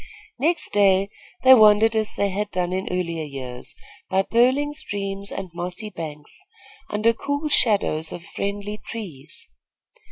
Next day they wandered as they had done in earlier years by purling streams and mossy banks, under cool shadows of friendly trees.